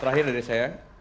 terakhir dari saya